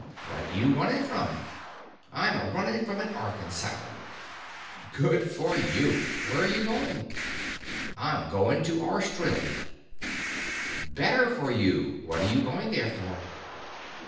"What you running from?" "I'm a runnin' from an orphan 'sylum." "Good for you where you going?" "I'm goin' to Orstralia." "Better for you what you going there for?"